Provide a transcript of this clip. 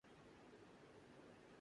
یہ خیال کیا جاتا